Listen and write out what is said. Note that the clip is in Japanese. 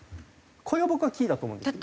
これが僕はキーだと思うんですよね。